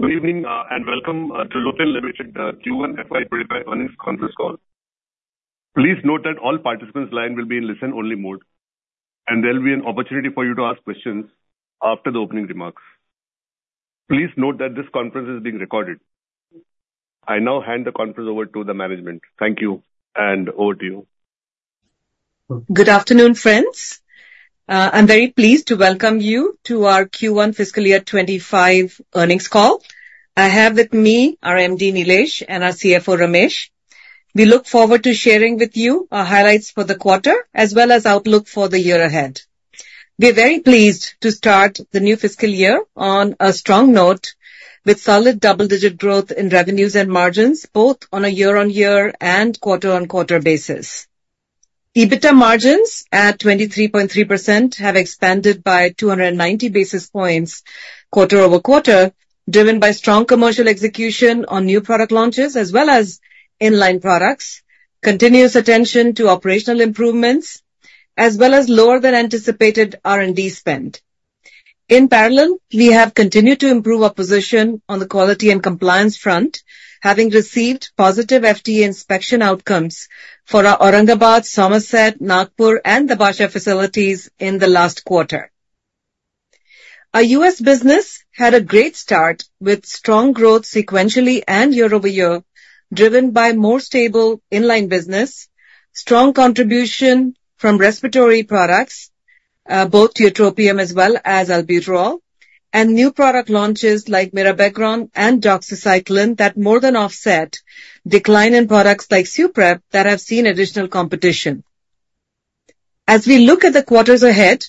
Good evening and welcome to Lupin Limited Q1 FY25 earnings conference call. Please note that all participants' lines will be in listen-only mode, and there will be an opportunity for you to ask questions after the opening remarks. Please note that this conference is being recorded. I now hand the conference over to the management. Thank you, and over to you. Good afternoon, friends. I'm very pleased to welcome you to our Q1 FY25 earnings call. I have with me our MD, Nilesh, and our CFO, Ramesh. We look forward to sharing with you our highlights for the quarter, as well as outlook for the year ahead. We are very pleased to start the new fiscal year on a strong note, with solid double-digit growth in revenues and margins, both on a year-on-year and quarter-on-quarter basis. EBITDA margins at 23.3% have expanded by 290 basis points quarter-over-quarter, driven by strong commercial execution on new product launches, as well as inline products, continuous attention to operational improvements, as well as lower-than-anticipated R&D spend. In parallel, we have continued to improve our position on the quality and compliance front, having received positive EIR inspection outcomes for our Aurangabad, Somerset, Nagpur, and the Dabhasa facilities in the last quarter. Our U.S. business had a great start with strong growth sequentially and year-over-year, driven by more stable inline business, strong contribution from respiratory products, both Tiotropium as well as Albuterol, and new product launches like Mirabegron and Doxycycline that more than offset decline in products like Suprep that have seen additional competition. As we look at the quarters ahead,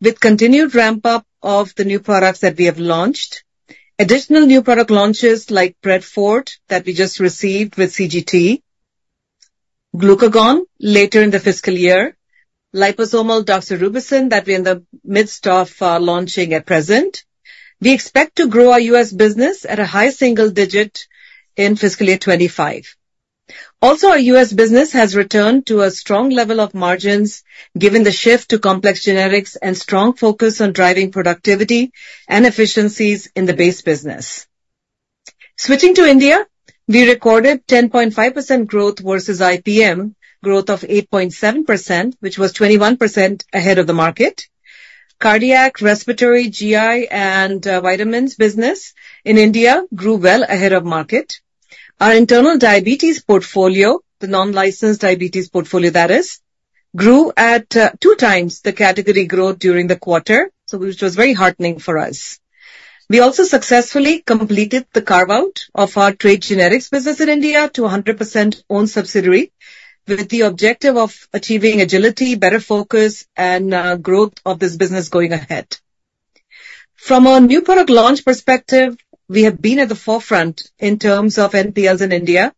with continued ramp-up of the new products that we have launched, additional new product launches like Pred Forte that we just received with CGT, Glucagon later in the fiscal year, liposomal doxorubicin that we are in the midst of launching at present, we expect to grow our U.S. business at a high single-digit in fiscal year 2025. Also, our U.S. business has returned to a strong level of margins given the shift to complex generics and strong focus on driving productivity and efficiencies in the base business. Switching to India, we recorded 10.5% growth versus IPM growth of 8.7%, which was 21% ahead of the market. Cardiac, respiratory, GI, and vitamins business in India grew well ahead of market. Our internal diabetes portfolio, the non-licensed diabetes portfolio, that is, grew at 2x the category growth during the quarter, which was very heartening for us. We also successfully completed the carve-out of our trade generics business in India to 100% owned subsidiary, with the objective of achieving agility, better focus, and growth of this business going ahead. From our new product launch perspective, we have been at the forefront in terms of NPLs in India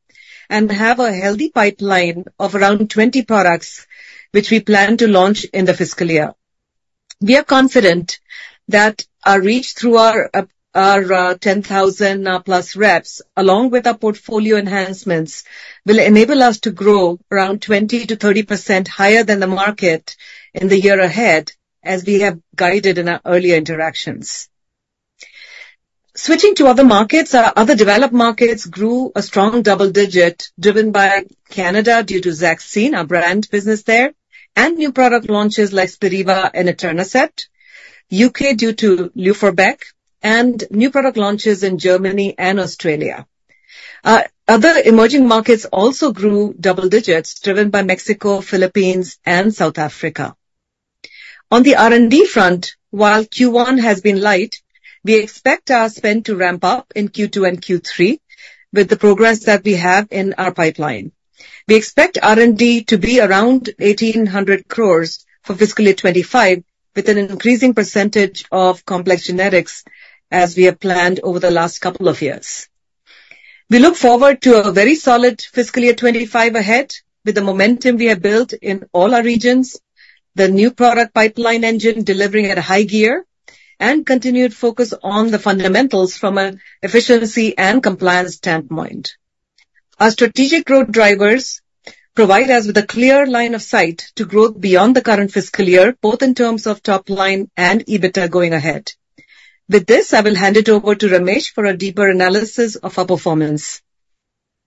and have a healthy pipeline of around 20 products, which we plan to launch in the fiscal year. We are confident that our reach through our 10,000-plus reps, along with our portfolio enhancements, will enable us to grow around 20%-30% higher than the market in the year ahead, as we have guided in our earlier interactions. Switching to other markets, our other developed markets grew a strong double-digit, driven by Canada due to Zaxine, our brand business there, and new product launches like Spiriva and Etanercept, U.K. due to Luforbec, and new product launches in Germany and Australia. Other emerging markets also grew double digits, driven by Mexico, Philippines, and South Africa. On the R&D front, while Q1 has been light, we expect our spend to ramp up in Q2 and Q3 with the progress that we have in our pipeline. We expect R&D to be around 1,800 crores for fiscal year 2025, with an increasing percentage of complex generics, as we have planned over the last couple of years. We look forward to a very solid fiscal year 2025 ahead, with the momentum we have built in all our regions, the new product pipeline engine delivering at a high gear, and continued focus on the fundamentals from an efficiency and compliance standpoint. Our strategic growth drivers provide us with a clear line of sight to growth beyond the current fiscal year, both in terms of top line and EBITDA going ahead. With this, I will hand it over to Ramesh for a deeper analysis of our performance.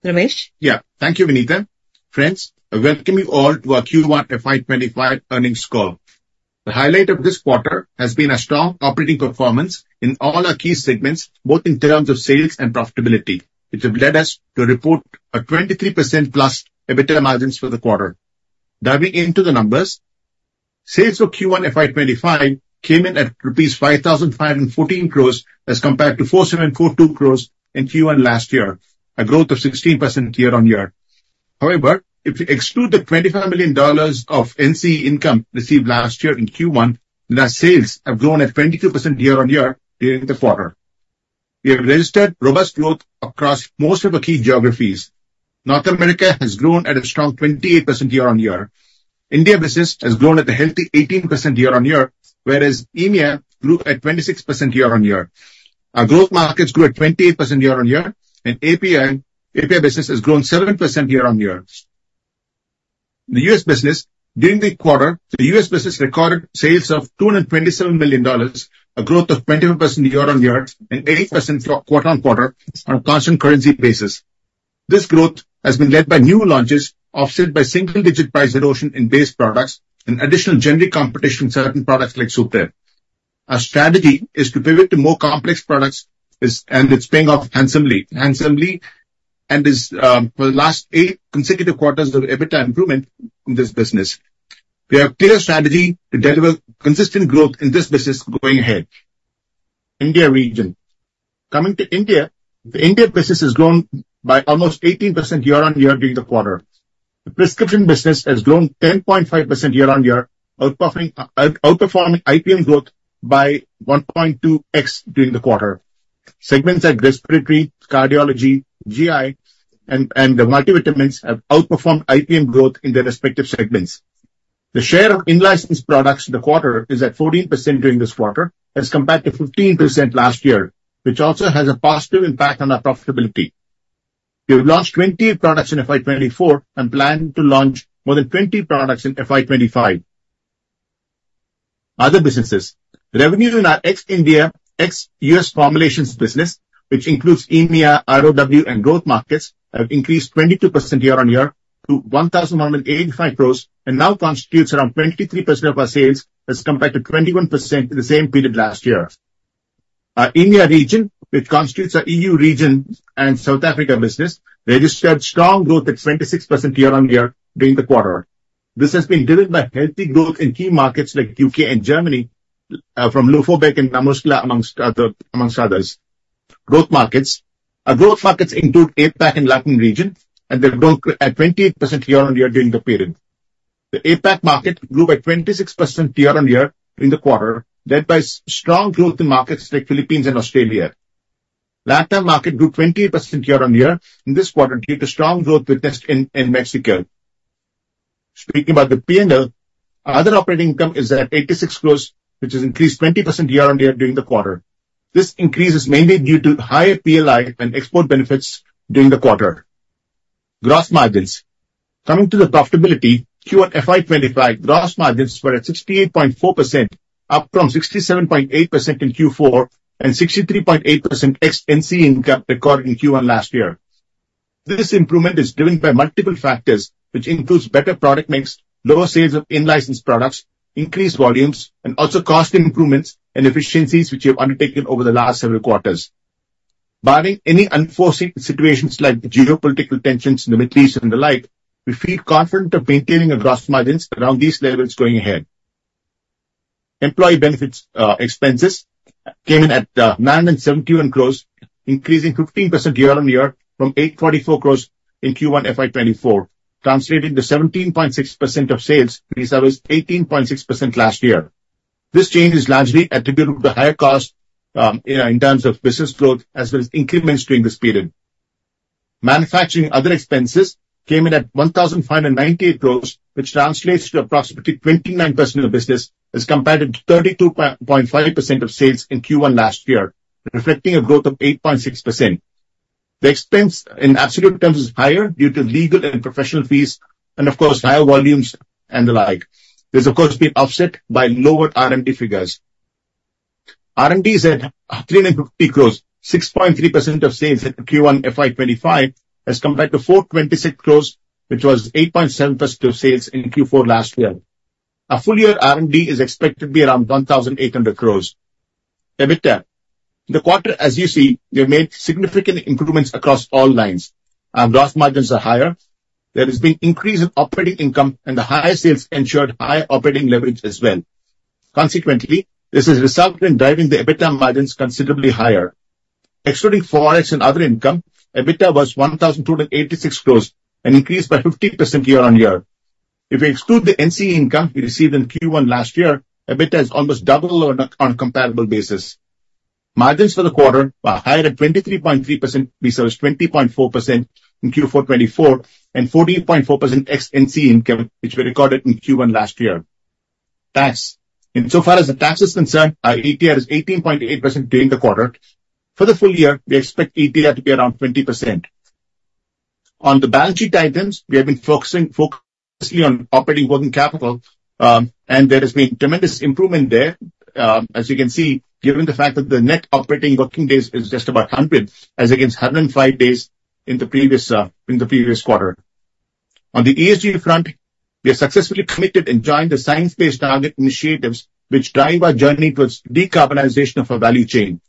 Ramesh? Yeah, thank you, Vinita. Friends, welcome you all to our Q1 FY25 earnings call. The highlight of this quarter has been a strong operating performance in all our key segments, both in terms of sales and profitability, which have led us to report a 23%+ EBITDA margins for the quarter. Diving into the numbers, sales for Q1 FY25 came in at ₹5,514 crores as compared to ₹4,742 crores in Q1 last year, a growth of 16% year-on-year. However, if we exclude the $25 million of NCE income received last year in Q1, then our sales have grown at 22% year-on-year during the quarter. We have registered robust growth across most of our key geographies. North America has grown at a strong 28% year-on-year. India business has grown at a healthy 18% year-on-year, whereas EMEA grew at 26% year-on-year. Our growth markets grew at 28% year-on-year, and API business has grown 7% year-on-year. In the US business, during the quarter, the US business recorded sales of $227 million, a growth of 25% year-on-year and 8% quarter-on-quarter on a constant currency basis. This growth has been led by new launches offset by single-digit price erosion in base products and additional generic competition in certain products like Suprep. Our strategy is to pivot to more complex products and it's paying off handsomely, and is for the last eight consecutive quarters of EBITDA improvement in this business. We have a clear strategy to deliver consistent growth in this business going ahead. India region. Coming to India, the India business has grown by almost 18% year-on-year during the quarter. The prescription business has grown 10.5% year-on-year, outperforming IPM growth by 1.2x during the quarter. Segments like respiratory, cardiology, GI, and the multivitamins have outperformed IPM growth in their respective segments. The share of in-licensed products in the quarter is at 14% during this quarter, as compared to 15% last year, which also has a positive impact on our profitability. We have launched 20 products in FY2024 and plan to launch more than 20 products in FY2025. Other businesses. Revenue in our ex-India, ex-US formulations business, which includes EMEA, ROW, and growth markets, have increased 22% year-on-year to 1,185 crores and now constitutes around 23% of our sales as compared to 21% in the same period last year. Our EMEA region, which constitutes our EU region and South Africa business, registered strong growth at 26% year-on-year during the quarter. This has been driven by healthy growth in key markets like UK and Germany, from Luforbec and NaMuscla, amongst others. Growth markets. Our growth markets include APAC and Latin region, and they've grown at 28% year-on-year during the period. The APAC market grew by 26% year-on-year during the quarter, led by strong growth in markets like Philippines and Australia. LATAM market grew 28% year-on-year in this quarter due to strong growth witnessed in Mexico. Speaking about the P&L, our other operating income is at 86 crores, which has increased 20% year-on-year during the quarter. This increase is mainly due to higher PLI and export benefits during the quarter. Gross margins. Coming to the profitability, Q1 FY25 gross margins were at 68.4%, up from 67.8% in Q4 and 63.8% ex-NCE income recorded in Q1 last year. This improvement is driven by multiple factors, which includes better product mix, lower sales of in-licensed products, increased volumes, and also cost improvements and efficiencies which we have undertaken over the last several quarters. Barring any unforeseen situations like geopolitical tensions in the Middle East and the like, we feel confident of maintaining our gross margins around these levels going ahead. Employee benefits expenses came in at 971 crore, increasing 15% year-on-year from 844 crore in Q1 FY 2024, translating to 17.6% of sales which is 18.6% last year. This change is largely attributed to higher costs in terms of business growth as well as increments during this period. Manufacturing other expenses came in at 1,598 crore, which translates to approximately 29% of business as compared to 32.5% of sales in Q1 last year, reflecting a growth of 8.6%. The expense in absolute terms is higher due to legal and professional fees, and of course, higher volumes and the like. This has of course been offset by lower R&D figures. R&D is at 350 crore, 6.3% of sales in Q1 FY25, as compared to 426 crore, which was 8.7% of sales in Q4 last year. Our full-year R&D is expected to be around 1,800 crore. EBITDA. In the quarter, as you see, we have made significant improvements across all lines. Our gross margins are higher. There has been an increase in operating income, and the higher sales ensured higher operating leverage as well. Consequently, this has resulted in driving the EBITDA margins considerably higher. Excluding forex and other income, EBITDA was 1,286 crore and increased by 15% year-on-year. If we exclude the NCE income we received in Q1 last year, EBITDA is almost double on a comparable basis. Margins for the quarter were higher at 23.3%, which is 20.4% in Q4 2024, and 48.4% ex-NCE income, which we recorded in Q1 last year. Tax. Insofar as the tax is concerned, our ETR is 18.8% during the quarter. For the full year, we expect ETR to be around 20%. On the balance sheet items, we have been focusing on operating working capital, and there has been tremendous improvement there, as you can see, given the fact that the net operating working days is just about 100, as against 105 days in the previous quarter. On the ESG front, we have successfully committed and joined the science-based target initiatives, which drive our journey towards decarbonization of our value chain.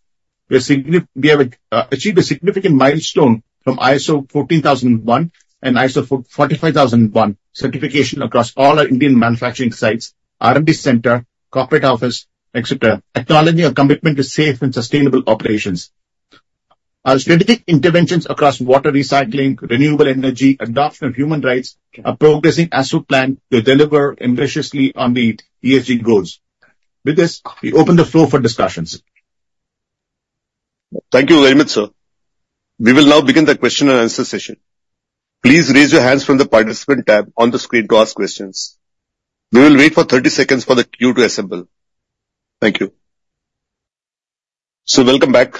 We have achieved a significant milestone from ISO 14001 and ISO 45001 certification across all our Indian manufacturing sites, R&D center, corporate office, etc., acknowledging our commitment to safe and sustainable operations. Our strategic interventions across water recycling, renewable energy, and adoption of human rights are progressing as we plan to deliver ambitiously on the ESG goals. With this, we open the floor for discussions. Thank you very much, sir. We will now begin the question and answer session. Please raise your hands from the participant tab on the screen to ask questions. We will wait for 30 seconds for the queue to assemble. Thank you. So, welcome back.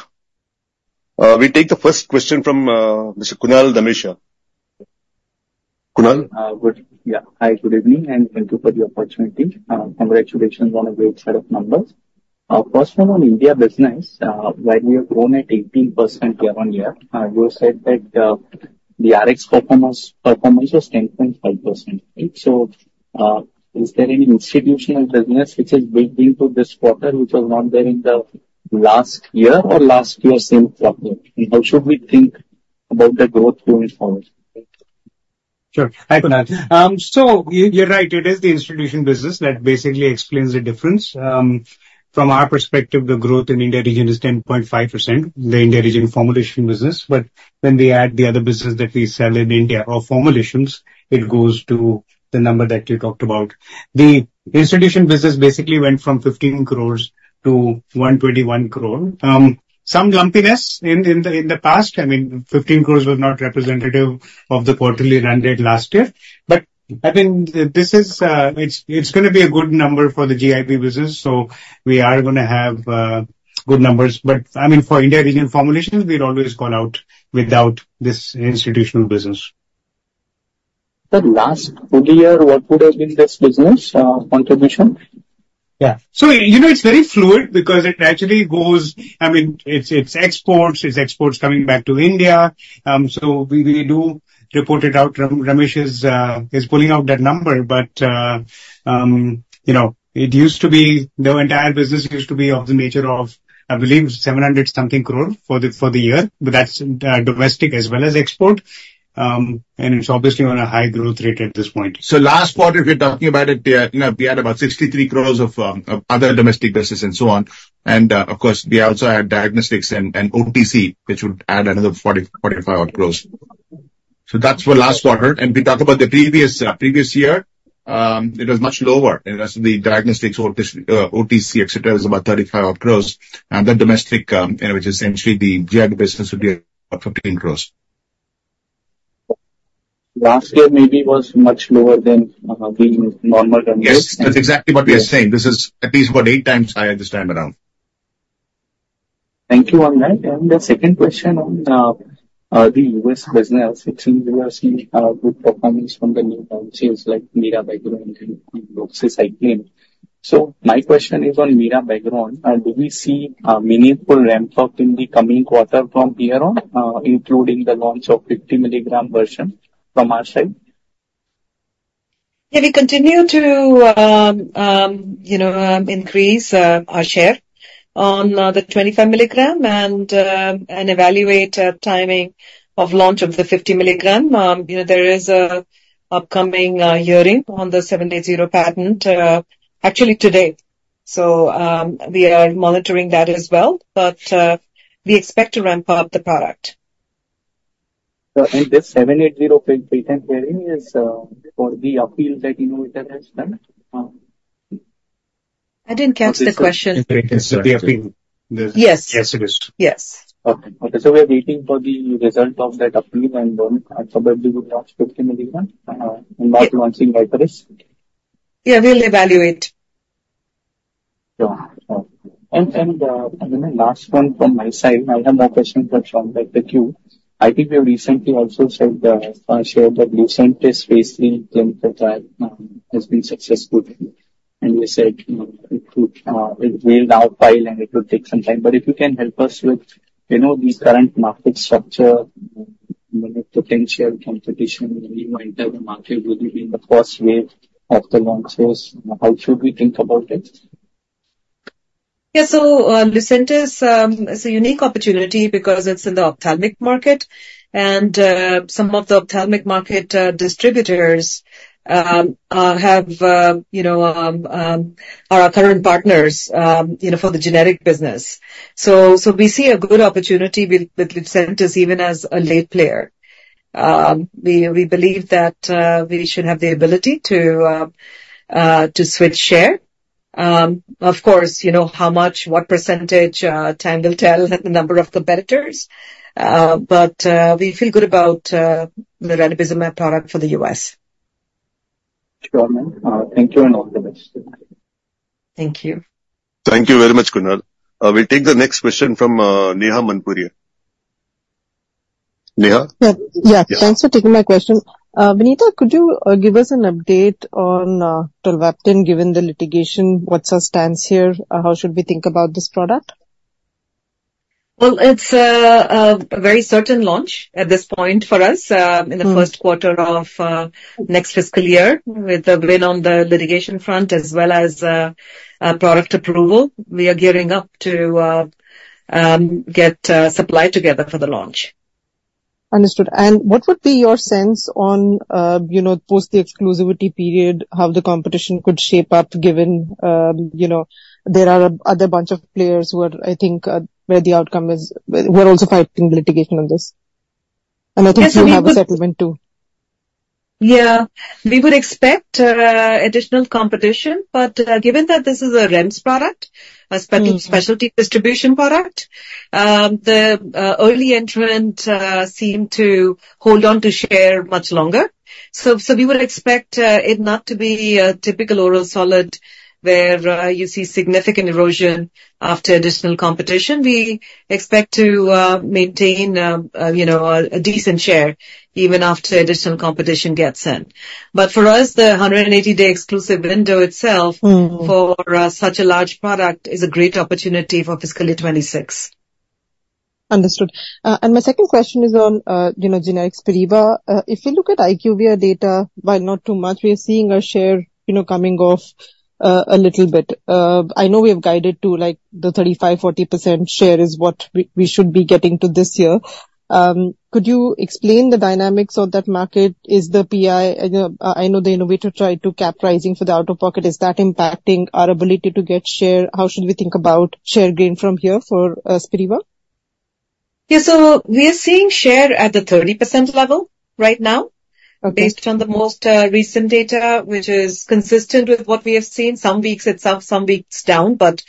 We take the first question from Mr. Kunal Dhamesha. Kunal? Yeah, hi, good evening, and thank you for the opportunity. Congratulations on a great set of numbers. First, from an India business, where we have grown at 18% year-on-year, you said that the RX performance was 10.5%. So, is there any institutional business which has built into this quarter, which was not there in the last year or last year's same quarter? How should we think about the growth going forward? Sure. Hi, Kunal. So, you're right. It is the institutional business that basically explains the difference. From our perspective, the growth in India region is 10.5%, the India region formulation business. But when we add the other business that we sell in India, or formulations, it goes to the number that you talked about. The institutional business basically went from 15 crore to 121 crore. Some lumpiness in the past. I mean, 15 crores was not representative of the quarterly run rate last year. But I think it's going to be a good number for the GIP business, so we are going to have good numbers. But I mean, for India region formulations, we'd always call out without this institutional business. Sir, last full year, what would have been this business contribution? Yeah. So, you know, it's very fluid because it actually goes. I mean, it's exports. It's exports coming back to India. So, we do report it out. Ramesh is pulling out that number, but it used to be the entire business used to be of the nature of, I believe, 700-something crore for the year. But that's domestic as well as export. It's obviously on a high growth rate at this point. Last quarter, if you're talking about it, we had about 63 crore of other domestic businesses and so on. Of course, we also had diagnostics and OTC, which would add another 45-odd crore. That's for last quarter. We talk about the previous year, it was much lower. The diagnostics, OTC, etc., is about 35-odd crore. The domestic, which is essentially the GIP business, would be about 15 crore. Last year maybe was much lower than the normal? Yes, that's exactly what we are saying. This is at least about eight times higher this time around. Thank you, Anand. The second question on the US business, which we are seeing good performance from the new sales like Mirabegron and Doxycycline. My question is on Mirabegron. Do we see a meaningful ramp-up in the coming quarter from here on, including the launch of 50 milligram version from our side? Yeah, we continue to increase our share on the 25 milligram and evaluate timing of launch of the 50 milligram. There is an upcoming hearing on the 780 patent, actually today. So, we are monitoring that as well, but we expect to ramp up the product. This 780 patent hearing is for the appeal that you know it has done? I didn't catch the question. Yes. Yes, it is. Yes. Okay. Okay. So, we are waiting for the result of that appeal, and probably we'll launch 50 milligram. And what do you want to say about this? Yeah, we'll evaluate. Sure. Last one from my side, I have more questions but sounds like the queue. I think we recently also shared that recently inspection has been successful. We said it will now file and it will take some time. But if you can help us with the current market structure, potential competition, new entire market will be in the first wave of the launches. How should we think about it? Yeah, so Lucentis is a unique opportunity because it's in the ophthalmic market. Some of the ophthalmic market distributors are our current partners for the generic business. We see a good opportunity with Lucentis even as a late player. We believe that we should have the ability to switch share. Of course, how much, what percentage time will tell the number of competitors. But we feel good about the Ranibizumab product for the U.S. Sure, Anand. Thank you and all the best. Thank you. Thank you very much, Kunal. We'll take the next question from Neha Manpuria. Neha? Yeah. Thanks for taking my question. Vinita, could you give us an update on Tolvaptan given the litigation? What's our stance here? How should we think about this product? Well, it's a very certain launch at this point for us in the first quarter of next fiscal year with a win on the litigation front as well as product approval. We are gearing up to get supply together for the launch. Understood. What would be your sense on post the exclusivity period, how the competition could shape up given there are a bunch of players who I think where the outcome is, we're also fighting litigation on this? I think you have a settlement too. Yeah. We would expect additional competition, but given that this is a REMS product, a specialty distribution product, the early entrant seemed to hold on to share much longer. So, we would expect it not to be a typical oral solid where you see significant erosion after additional competition. We expect to maintain a decent share even after additional competition gets in. But for us, the 180-day exclusive window itself for such a large product is a great opportunity for fiscal year 2026. Understood. My second question is on generic Spiriva. If we look at IQVIA data, while not too much, we are seeing our share coming off a little bit. I know we have guided to the 35%-40% share is what we should be getting to this year. Could you explain the dynamics of that market? Is the PI, I know the innovator tried to cap rising for the out-of-pocket. Is that impacting our ability to get share? How should we think about share gain from here for Spiriva? Yeah. So, we are seeing share at the 30% level right now, based on the most recent data, which is consistent with what we have seen some weeks itself, some weeks down, but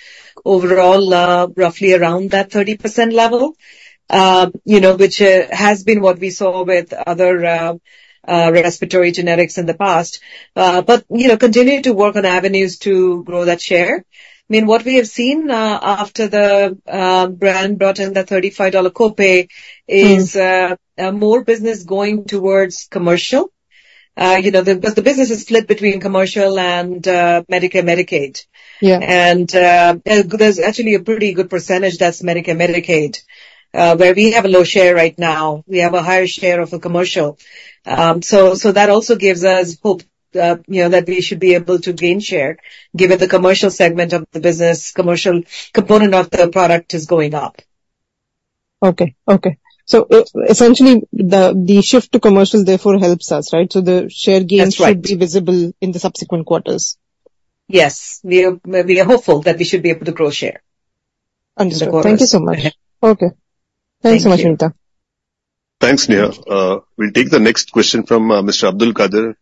overall roughly around that 30% level, which has been what we saw with other respiratory generics in the past. But continue to work on avenues to grow that share. I mean, what we have seen after the brand brought in the $35 copay is more business going towards commercial. Because the business is split between commercial and Medicare/Medicaid. And there's actually a pretty good percentage that's Medicare/Medicaid, where we have a low share right now. We have a higher share of the commercial. So, that also gives us hope that we should be able to gain share, given the commercial segment of the business, commercial component of the product is going up. Okay. Okay. So, essentially, the shift to commercial therefore helps us, right? So, the share gains should be visible in the subsequent quarters. Yes. We are hopeful that we should be able to grow share. Understood. Thank you so much. Okay. Thanks so much, Vinita. Thanks, Neha. We'll take the next question from Mr. Abdul Puranik.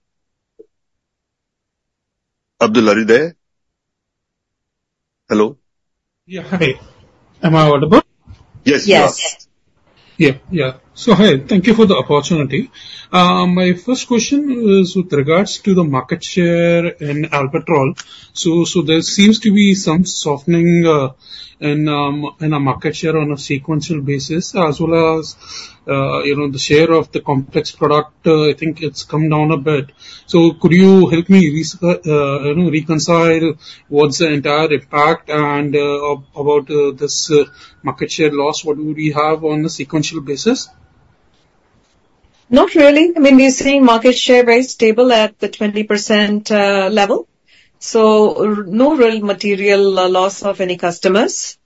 Abdul, are you there? Hello. Yeah. Hi. Am I audible? Yes. Yes. Yeah. Yeah. So, hi. Thank you for the opportunity. My first question is with regards to the market share in Albuterol. So, there seems to be some softening in our market share on a sequential basis, as well as the share of the complex product. I think it's come down a bit. So, could you help me reconcile what's the entire impact and about this market share loss? What do we have on a sequential basis? Not really. I mean, we're seeing market share very stable at the 20% level. So, no real material loss of any customers.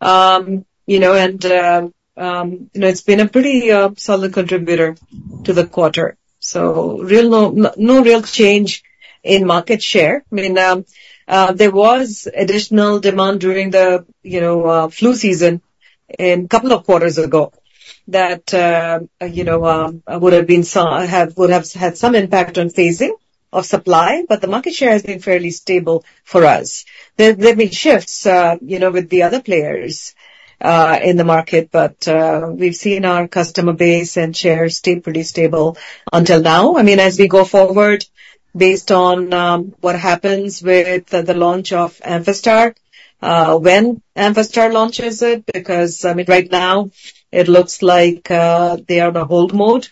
And it's been a pretty solid contributor to the quarter. So, no real change in market share. I mean, there was additional demand during the flu season a couple of quarters ago that would have had some impact on phasing of supply. But the market share has been fairly stable for us. There have been shifts with the other players in the market, but we've seen our customer base and share stay pretty stable until now. I mean, as we go forward, based on what happens with the launch of Amphastar, when Amphastar launches it, because I mean, right now, it looks like they are on a hold mode.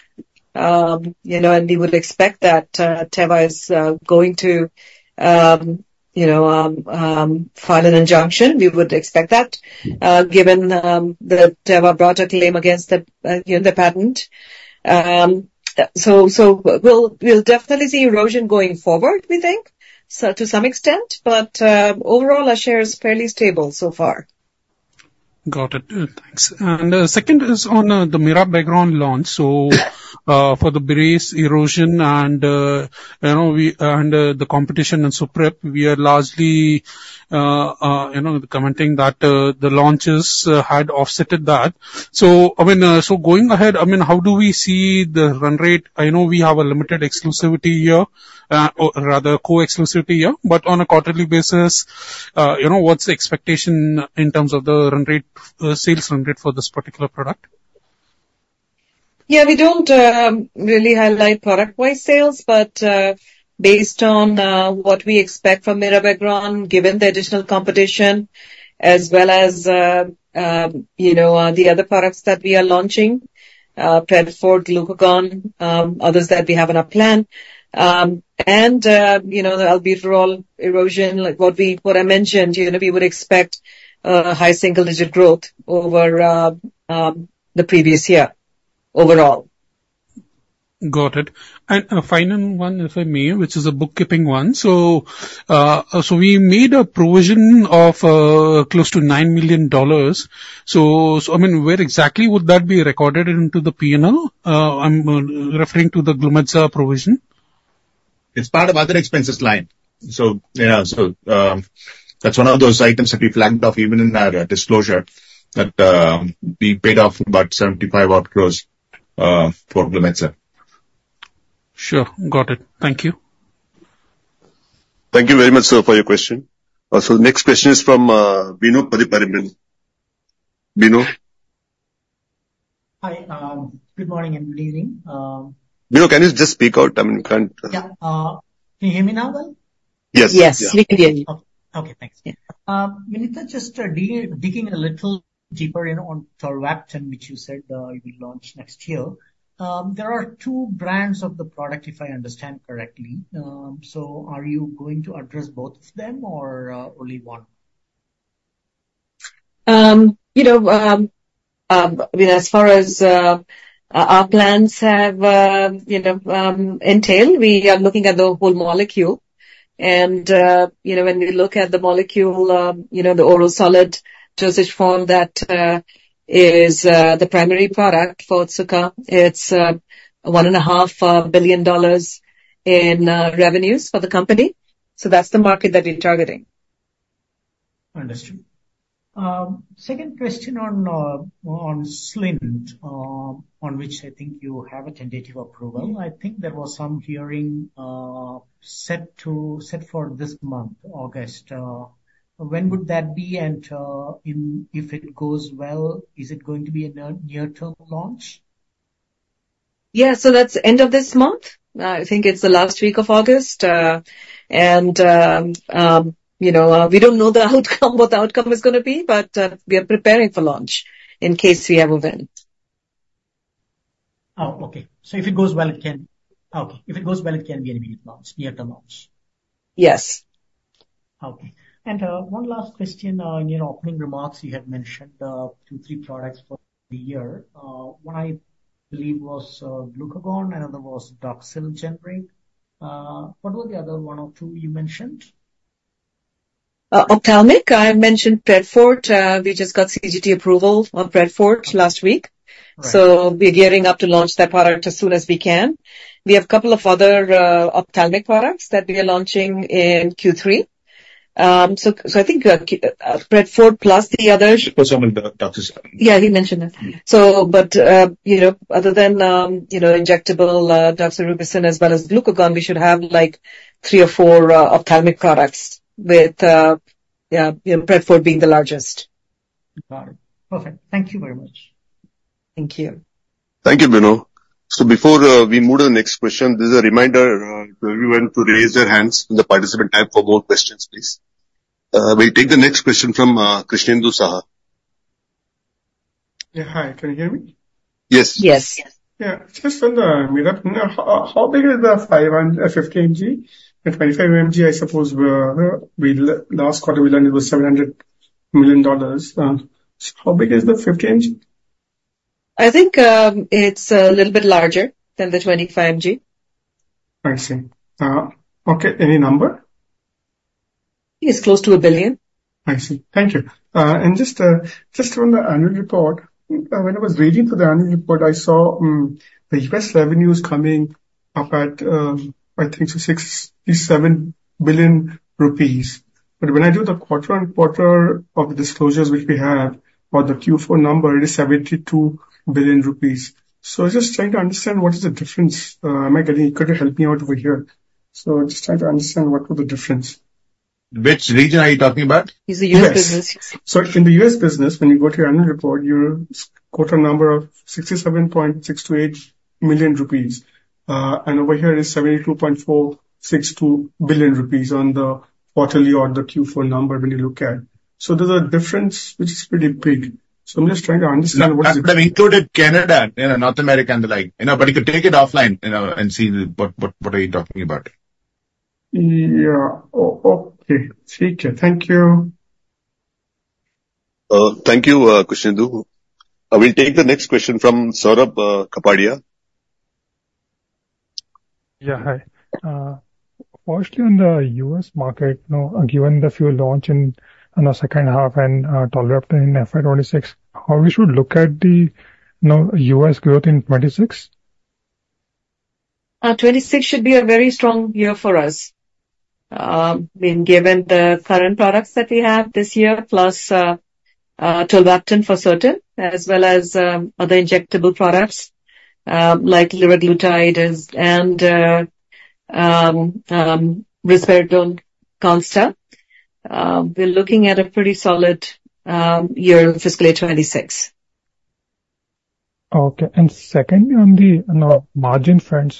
And we would expect that Teva is going to file an injunction. We would expect that, given that Teva brought a claim against the patent. So, we'll definitely see erosion going forward, we think, to some extent. But overall, our share is fairly stable so far. Got it. Thanks. The second is on the Mirabegron launch. So, for the Birace erosion and the competition and Suprep, we are largely commenting that the launches had offset that. So, I mean, so going ahead, I mean, how do we see the run rate? I know we have a limited exclusivity year, or rather co-exclusivity year, but on a quarterly basis, what's the expectation in terms of the sales run rate for this particular product? Yeah, we don't really highlight product-wise sales, but based on what we expect from Mirabegron, given the additional competition, as well as the other products that we are launching, Pred Forte, Glucagon, others that we have in our plan. And the Albuterol erosion, what I mentioned, we would expect high single-digit growth over the previous year overall. Got it. And a final one, if I may, which is a bookkeeping one. So, we made a provision of close to $9 million. So, I mean, where exactly would that be recorded into the P&L? I'm referring to the Glumetza provision. It's part of other expenses line. So, yeah. So, that's one of those items that we flagged off even in our disclosure that we paid off about 75-odd crore for Glumetza. Sure. Got it. Thank you. Thank you very much, sir, for your question. So, the next question is from Binu Pathuparampil. Binu? Hi. Good morning and good evening. Binu, can you just speak out? I mean, can't? Yeah. Can you hear me now, well? Yes. Yes. We can hear you. Okay. Thanks. Vinita, just digging a little deeper on Tolvaptan, which you said you will launch next year. There are two brands of the product, if I understand correctly. So, are you going to address both of them or only one? I mean, as far as our plans have entailed, we are looking at the whole molecule. When we look at the molecule, the oral solid dosage form that is the primary product for Otsuka, it's $1.5 billion in revenues for the company. That's the market that we're targeting. Understood. Second question on Slynd, on which I think you have a tentative approval. I think there was some hearing set for this month, August. When would that be? And if it goes well, is it going to be a near-term launch? Yeah. That's end of this month. I think it's the last week of August. We don't know what the outcome is going to be, but we are preparing for launch in case we have a win. Oh, okay. So, if it goes well, it can be an immediate launch, near-term launch. Yes. Okay. And one last question. In your opening remarks, you had mentioned 2-3 products for the year. One I believe was Glucagon and another was Doxil generic. What were the other 1 or 2 you mentioned? Ophthalmic. I mentioned Pred Forte. We just got CGT approval on Pred Forte last week. So, we're gearing up to launch that product as soon as we can. We have a couple of other ophthalmic products that we are launching in Q3. So, I think Pred Forte plus the other. For some of the Doxil. Yeah, he mentioned it. So, but other than injectable Doxorubicin as well as Glucagon, we should have three or four ophthalmic products with Pred Forte being the largest. Got it. Perfect. Thank you very much. Thank you. Thank you, Binu. So, before we move to the next question, this is a reminder to everyone to raise their hands in the participant time for more questions, please. We'll take the next question from Krishnendu Saha. Yeah. Hi. Can you hear me? Yes. Yes. Yeah. Just on the Mirabegron, how big is the 50 mg? The 25 mg, I suppose, last quarter we learned it was $700 million. So, how big is the 50 mg? I think it's a little bit larger than the 25 mg. I see. Okay. Any number? I think it's close to 1 billion. I see. Thank you. Just on the annual report, when I was reading for the annual report, I saw the U.S. revenues coming up at, I think, ₹67 billion. But when I do the quarter-on-quarter of the disclosures which we have for the Q4 number, it is ₹72 billion. So, I'm just trying to understand what is the difference. Am I getting it? Could you help me out over here? So, I'm just trying to understand what was the difference. Which region are you talking about? It's the U.S. business. Yes. So, in the US business, when you go to your annual report, your quarter number of 67.628 million rupees. And over here is 72.62 billion rupees on the quarterly or the Q4 number when you look at. So, there's a difference which is pretty big. So, I'm just trying to understand what is the. I've included Canada and North America and the like. But you could take it offline and see what are you talking about? Yeah. Okay. Thank you. Thank you, Krishnendu. I will take the next question from Saurabh Kapadia. Yeah. Hi. Firstly, on the US market, given the few launches in the second half and Tolvaptan in FY26, how we should look at the US growth in 26? 2026 should be a very strong year for us. I mean, given the current products that we have this year, plus Tolvaptan for certain, as well as other injectable products like Liraglutide and Risperidone Consta, we're looking at a pretty solid year in fiscal year 2026. Okay. Secondly, on the margin front,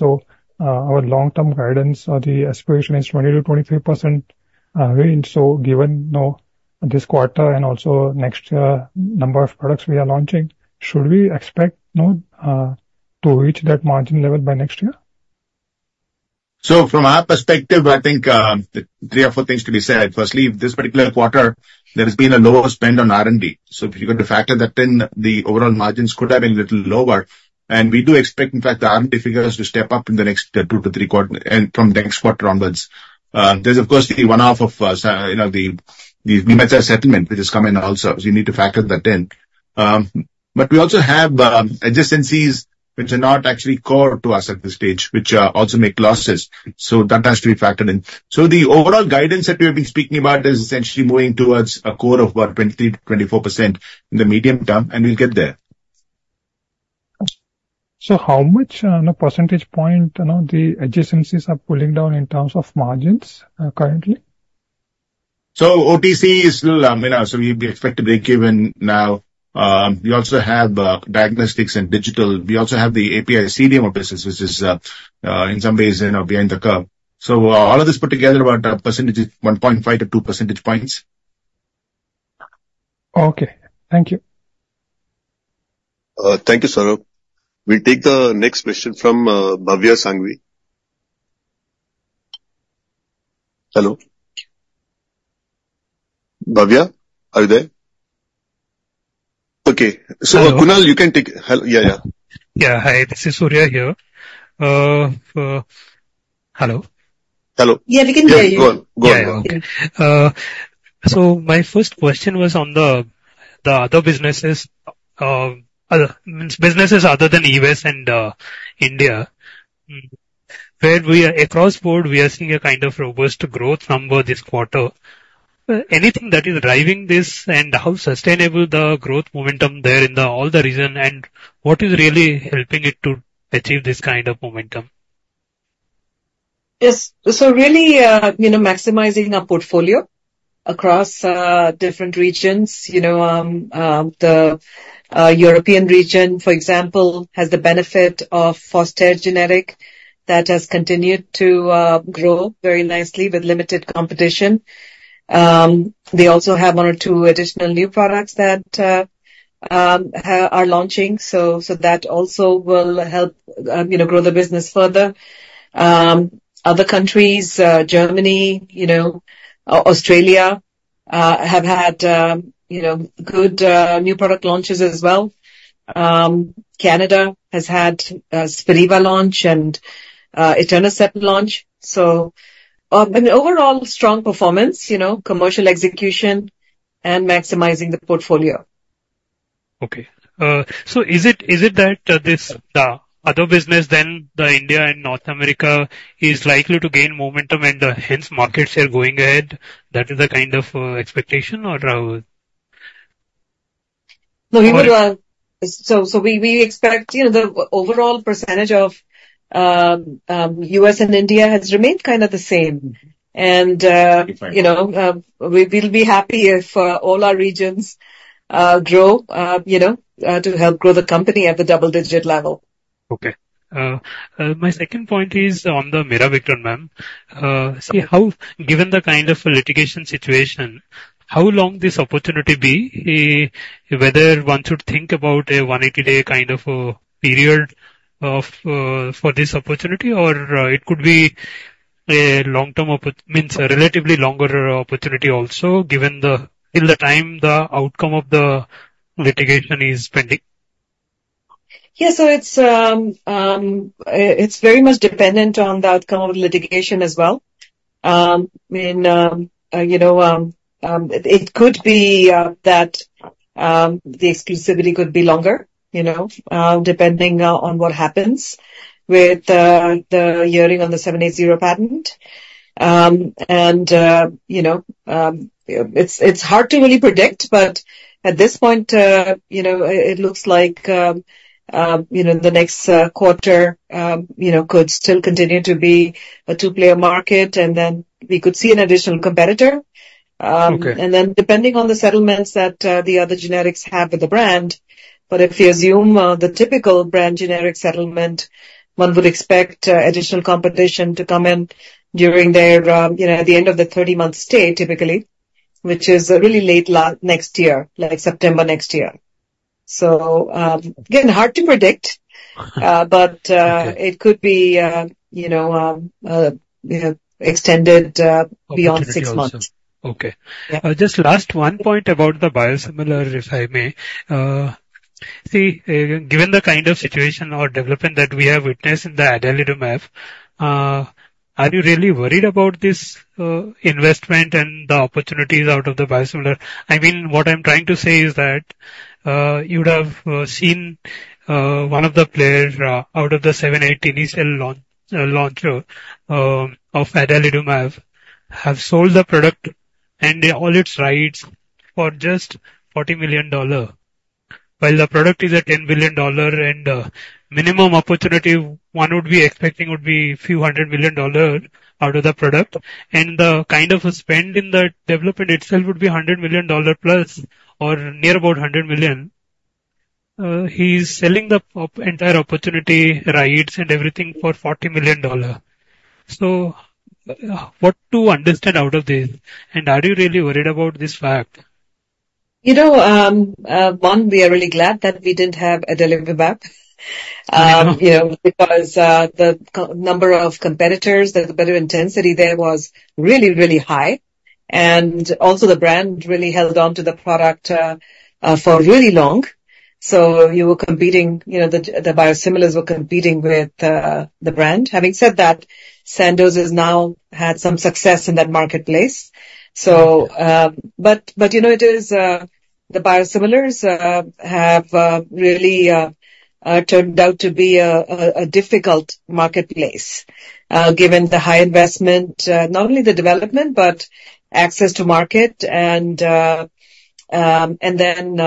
our long-term guidance or the aspiration is 20%-25% range. Given this quarter and also next year number of products we are launching, should we expect to reach that margin level by next year? So, from our perspective, I think 3 or 4 things to be said. Firstly, this particular quarter, there has been a lower spend on R&D. So, if you're going to factor that in, the overall margins could have been a little lower. And we do expect, in fact, the R&D figures to step up in the next 2 to 3 quarters and from next quarter onwards. There's, of course, the one-off of the Glumetza settlement, which is coming also. So, you need to factor that in. But we also have adjacencies which are not actually core to us at this stage, which also make losses. So, that has to be factored in. So, the overall guidance that we have been speaking about is essentially moving towards a core of about 20%-24% in the medium term, and we'll get there. So, how much percentage point the adjacencies are pulling down in terms of margins currently? So, OTC is still—I mean, so we expect to break even now. We also have diagnostics and digital. We also have the API CDMO business, which is in some ways behind the curve. So, all of this put together about 1.5-2 percentage points. Okay. Thank you. Thank you, Saurabh. We'll take the next question from Bhavya Sanghvi. Hello. Bhavya, are you there? Okay. So, Kunal, you can take it. Yeah, yeah. Yeah. Hi. This is Surya here. Hello. Hello. Yeah, we can hear you. Yeah. Go on. Go on. Yeah. So, my first question was on the other businesses, businesses other than US and India, where across the board, we are seeing a kind of robust growth number this quarter. Anything that is driving this, and how sustainable the growth momentum there in all the region, and what is really helping it to achieve this kind of momentum? Yes. So, really maximizing our portfolio across different regions. The European region, for example, has the benefit of Foster Generic that has continued to grow very nicely with limited competition. They also have one or two additional new products that are launching. So, that also will help grow the business further. Other countries, Germany, Australia, have had good new product launches as well. Canada has had Spiriva launch and Etanercept launch. So, I mean, overall, strong performance, commercial execution, and maximizing the portfolio. Okay. So, is it that this other business than the India and North America is likely to gain momentum and hence market share going ahead? That is the kind of expectation, or? We expect the overall percentage of the U.S. and India has remained kind of the same. We'll be happy if all our regions grow to help grow the company at the double-digit level. Okay. My second point is on the Mirabegron, ma'am. So, given the kind of litigation situation, how long this opportunity be, whether one should think about a 180-day kind of a period for this opportunity, or it could be a long-term, means a relatively longer opportunity also, given the time the outcome of the litigation is pending? Yeah. So, it's very much dependent on the outcome of litigation as well. I mean, it could be that the exclusivity could be longer, depending on what happens with the hearing on the 780 patent. And it's hard to really predict, but at this point, it looks like the next quarter could still continue to be a two-player market, and then we could see an additional competitor. And then, depending on the settlements that the other generics have with the brand, but if you assume the typical brand generic settlement, one would expect additional competition to come in during that at the end of the 30-month stay, typically, which is really late next year, like September next year. So, again, hard to predict, but it could be extended beyond 6 months. Okay. Just one last point about the biosimilar, if I may. See, given the kind of situation or development that we have witnessed in the Adalimumab, are you really worried about this investment and the opportunities out of the biosimilar? I mean, what I'm trying to say is that you would have seen one of the players out of the 780 cell launcher of Adalimumab have sold the product and all its rights for just $40 million, while the product is a $10 billion, and minimum opportunity one would be expecting would be a few hundred million dollars out of the product. And the kind of spend in the development itself would be $100 million plus or near about $100 million. He's selling the entire opportunity rights and everything for $40 million. So, what to understand out of this? And are you really worried about this fact? You know, one, we are really glad that we didn't have Adalimumab because the number of competitors, the competitor intensity there was really, really high. And also, the brand really held on to the product for really long. So, you were competing. The biosimilars were competing with the brand. Having said that, Sandoz has now had some success in that marketplace. So, but it is. The biosimilars have really turned out to be a difficult marketplace given the high investment, not only the development, but access to market, and then depending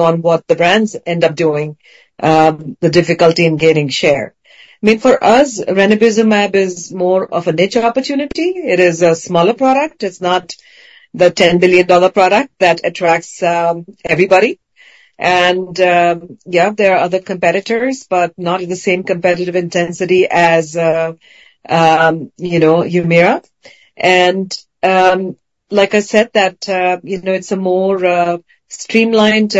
on what the brands end up doing, the difficulty in gaining share. I mean, for us, Ranibizumab is more of a niche opportunity. It is a smaller product. It's not the $10 billion product that attracts everybody. And yeah, there are other competitors, but not in the same competitive intensity as Humira. And like I said, that it's a more streamlined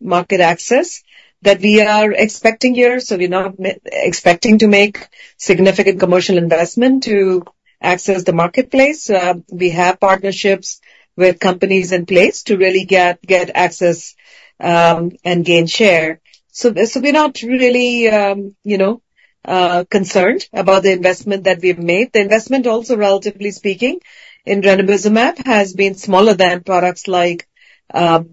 market access that we are expecting here. So, we're not expecting to make significant commercial investment to access the marketplace. We have partnerships with companies in place to really get access and gain share. So, we're not really concerned about the investment that we have made. The investment, also relatively speaking, in Ranibizumab has been smaller than products like even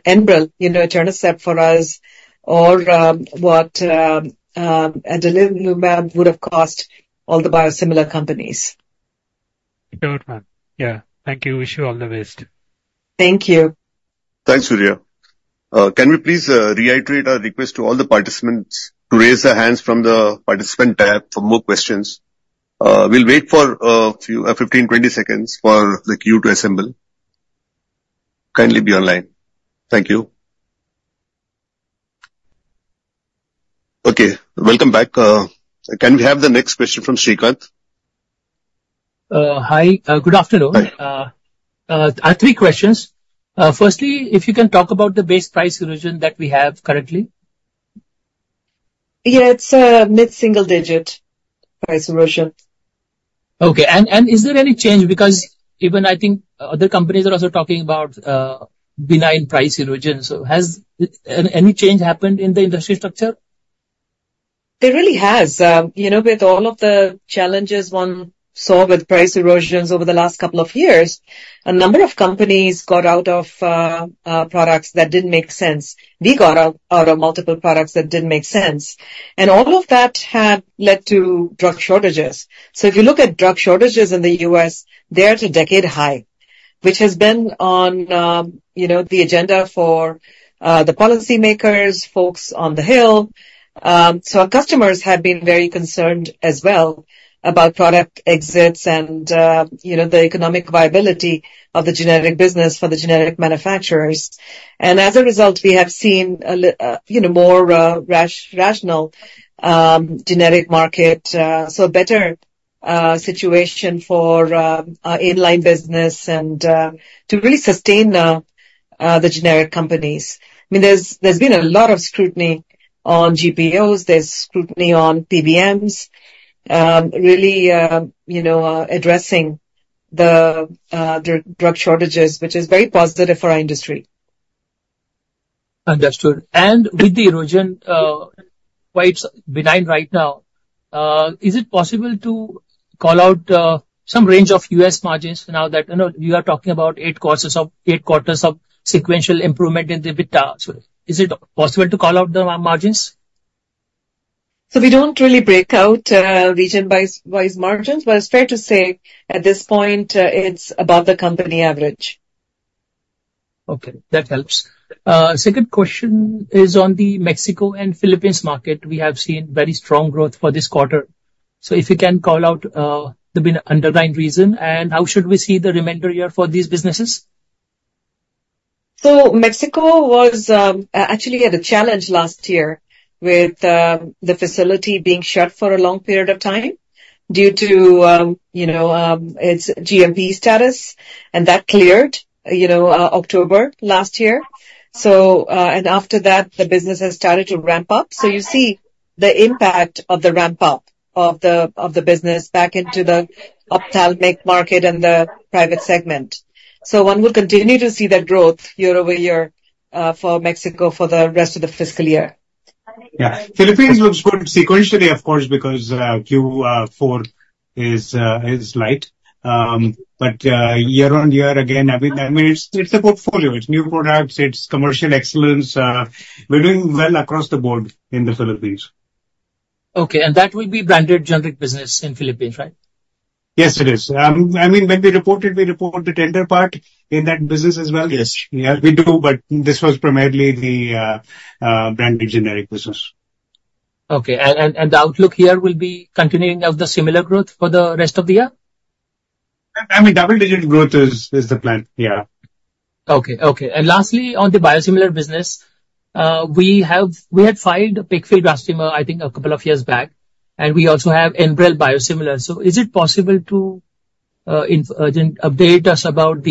Enbrel, Etanercept for us, or what Adalimumab would have cost all the biosimilar companies. Good, ma'am. Yeah. Thank you. Wish you all the best. Thank you. Thanks, Surya. Can we please reiterate our request to all the participants to raise their hands from the participant tab for more questions? We'll wait for a few 15, 20 seconds for the queue to assemble. Kindly be online. Thank you. Okay. Welcome back. Can we have the next question from Srikanth? Hi. Good afternoon. I have three questions. Firstly, if you can talk about the base price revision that we have currently. Yeah. It's a mid-single-digit price revision. Okay. Is there any change because even I think other companies are also talking about benign price erosion? Has any change happened in the industry structure? There really has. With all of the challenges one saw with price erosions over the last couple of years, a number of companies got out of products that didn't make sense. We got out of multiple products that didn't make sense. And all of that had led to drug shortages. So, if you look at drug shortages in the U.S., they're at a decade high, which has been on the agenda for the policymakers, folks on the hill. So, our customers have been very concerned as well about product exits and the economic viability of the generic business for the generic manufacturers. And as a result, we have seen more rational generic market, so a better situation for inline business and to really sustain the generic companies. I mean, there's been a lot of scrutiny on GPOs. There's scrutiny on PBMs really addressing the drug shortages, which is very positive for our industry. Understood. With the erosion quite benign right now, is it possible to call out some range of US margins now that you are talking about 8 quarters of sequential improvement in the beta? Is it possible to call out the margins? We don't really break out region-wise margins, but it's fair to say at this point, it's above the company average. Okay. That helps. Second question is on the Mexico and Philippines market. We have seen very strong growth for this quarter. So, if you can call out the underlying reason, and how should we see the remainder year for these businesses? Mexico actually had a challenge last year with the facility being shut for a long period of time due to its GMP status, and that cleared October last year. After that, the business has started to ramp up. You see the impact of the ramp-up of the business back into the ophthalmic market and the private segment. One will continue to see that growth year-over-year for Mexico for the rest of the fiscal year. Yeah. Philippines looks good sequentially, of course, because Q4 is light. But year-over-year, again, I mean, it's a portfolio. It's new products. It's commercial excellence. We're doing well across the board in the Philippines. Okay. And that will be branded generic business in the Philippines, right? Yes, it is. I mean, when we reported, we reported tender part in that business as well. Yeah, we do, but this was primarily the branded generic business. Okay. And the outlook here will be continuing of the similar growth for the rest of the year? I mean, double-digit growth is the plan. Yeah. Okay. Okay. And lastly, on the biosimilar business, we had filed Pegfilgrastim, I think, a couple of years back, and we also have Enbrel biosimilar. So, is it possible to update us about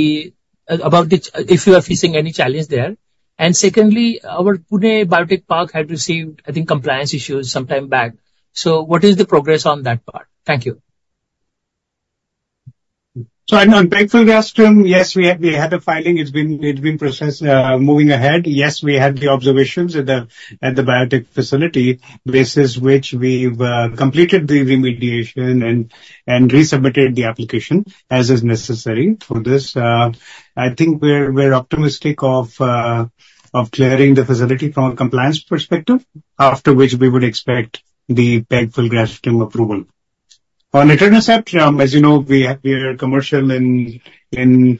if you are facing any challenge there? And secondly, our Pune Biotech Park had received, I think, compliance issues sometime back. So, what is the progress on that part? Thank you. So, on Pegfilgrastim, yes, we had a filing. It's been processed moving ahead. Yes, we had the observations at the biotech facility basis which we've completed the remediation and resubmitted the application as is necessary for this. I think we're optimistic of clearing the facility from a compliance perspective, after which we would expect the Pegfilgrastim approval. On Etanercept, as you know, we are commercial in a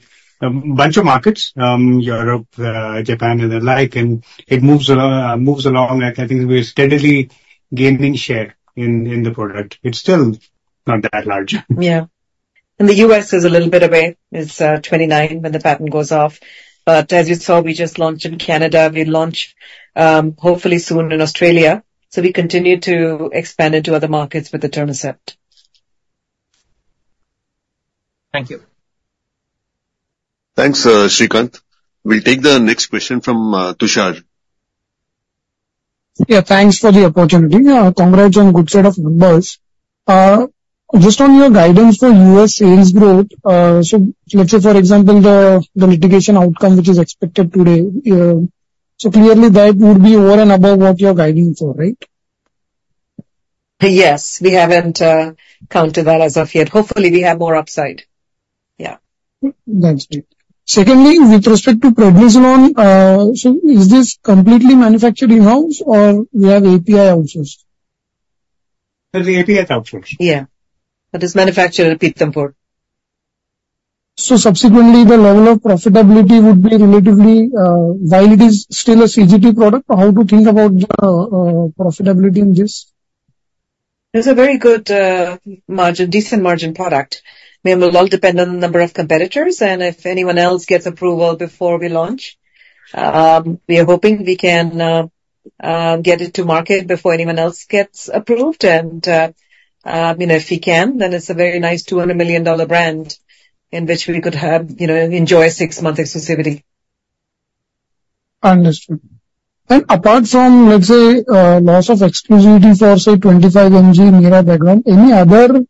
bunch of markets, Europe, Japan, and the like, and it moves along. I think we're steadily gaining share in the product. It's still not that large. Yeah. In the US, it's a little bit away. It's 2029 when the patent goes off. But as you saw, we just launched in Canada. We launch hopefully soon in Australia. So, we continue to expand into other markets with Etanercept. Thank you. Thanks, Srikanth. We'll take the next question from Tushar. Yeah. Thanks for the opportunity. Congrats on a good set of numbers. Just on your guidance for U.S. sales growth, so let's say, for example, the litigation outcome which is expected today, so clearly that would be more and above what you're guiding for, right? Yes. We haven't counted that as of yet. Hopefully, we have more upside. Yeah. Thanks, Mate. Secondly, with respect to prednisolone, so is this completely manufactured in-house, or do you have API outsource? That's the API outsource. Yeah. That is manufactured in Pithampur. Subsequently, the level of profitability would be relatively while it is still a CGT product. How to think about the profitability in this? It's a very good margin, decent margin product. I mean, it will all depend on the number of competitors, and if anyone else gets approval before we launch, we are hoping we can get it to market before anyone else gets approved. And if we can, then it's a very nice $200 million brand in which we could enjoy six-month exclusivity. Understood. Apart from, let's say, loss of exclusivity for, say, 25 mg Mirabegron, any other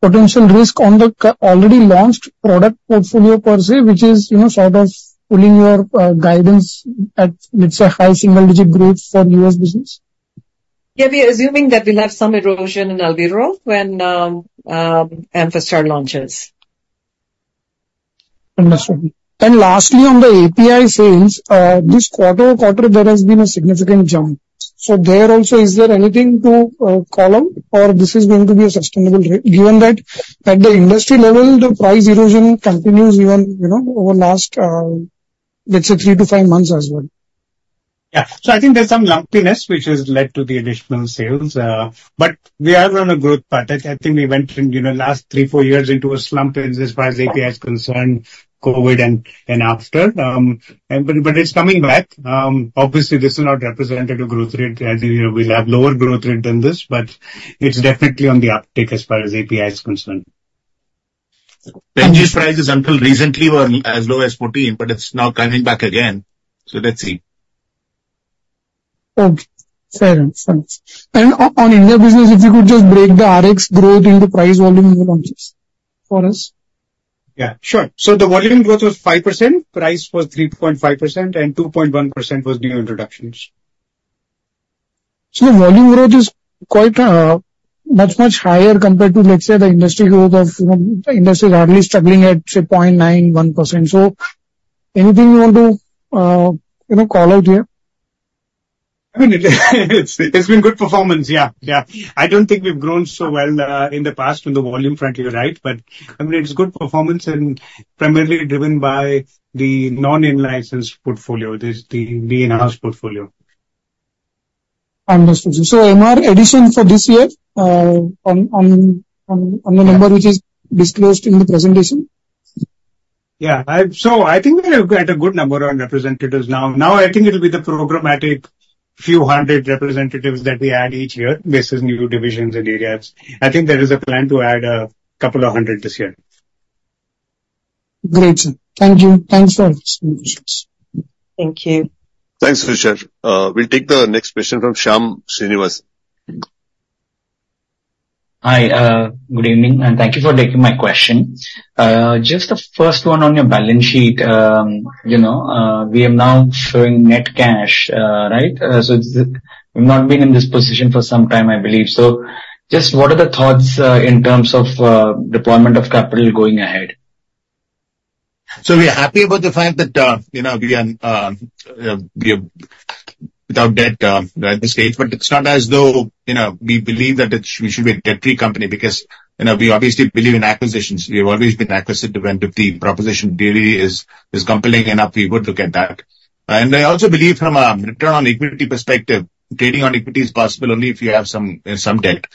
potential risk on the already launched product portfolio per se, which is sort of pulling your guidance at, let's say, high single-digit growth for US business? Yeah. We are assuming that we'll have some erosion in Albuterol when Amphastar launches. Understood. And lastly, on the API sales, this quarter-over-quarter, there has been a significant jump. So there also, is there anything to call out, or this is going to be a sustainable rate given that at the industry level, the price erosion continues even over the last, let's say, three to five months as well? Yeah. So I think there's some lumpiness which has led to the additional sales. But we are on a growth path. I think we went in the last three, four years into a slump as far as API is concerned, COVID and after. But it's coming back. Obviously, this is not representative growth rate. We'll have lower growth rate than this, but it's definitely on the uptick as far as API is concerned. This price is until recently was as low as 14, but it's now coming back again. Let's see. Okay. Fair enough. On India business, if you could just break the RX growth into price volume in the launches for us? Yeah. Sure. So the volume growth was 5%, price was 3.5%, and 2.1% was new introductions. So the volume growth is quite much, much higher compared to, let's say, the industry growth of industry is hardly struggling at, say, 0.9%-1%. So anything you want to call out here? I mean, it's been good performance. Yeah. Yeah. I don't think we've grown so well in the past on the volume front, you're right. But I mean, it's good performance and primarily driven by the non-in-license portfolio, the in-house portfolio. Understood. So MR addition for this year on the number which is disclosed in the presentation? Yeah. So I think we're at a good number on representatives now. Now, I think it'll be the programmatic few hundred representatives that we add each year based on new divisions and areas. I think there is a plan to add a couple of hundred this year. Great. Thank you. Thanks for the questions. Thank you. Thanks, Tushar. We'll take the next question from Shyam Srinivasan. Hi. Good evening. Thank you for taking my question. Just the first one on your balance sheet, we are now showing net cash, right? So we've not been in this position for some time, I believe. So just what are the thoughts in terms of deployment of capital going ahead? We're happy about the fact that we are without debt at this stage, but it's not as though we believe that we should be a debt-free company because we obviously believe in acquisitions. We have always been acquisitive, and if the proposition really is compelling enough, we would look at that. I also believe from a return on equity perspective, trading on equity is possible only if you have some debt.